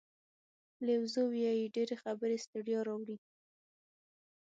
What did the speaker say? لیو زو وایي ډېرې خبرې ستړیا راوړي.